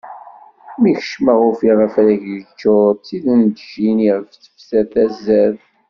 Mi kecmeɣ ufiɣ afrag yeččur d tidencin iɣef tefser tazart.